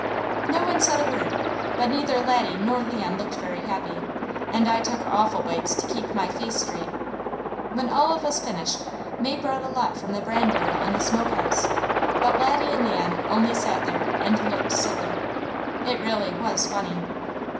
No one said a word, but neither Laddie nor Leon looked very happy, and I took awful bites to keep my face straight. When all of us finished May brought a lot from the bran barrel in the smoke house, but Laddie and Leon only sat there and looked silly; it really was funny.